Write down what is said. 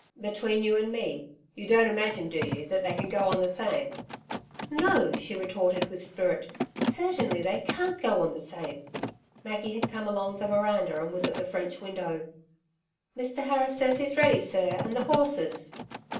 'Between you and me. You don't imagine, do you, that they can go on the same?' 'No,' she retorted with spirit, 'certainly they can't go on the same.' Maggie had come along the veranda and was at the French window. 'Mr Harris says he's ready, sir, and the horses....'